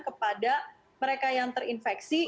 kepada mereka yang terinfeksi